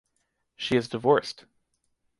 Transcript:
She is divorced.